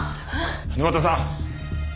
沼田さん。